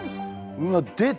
うわっ出た！